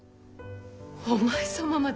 お前様まで！